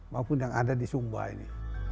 maupun yang ada di sumba ini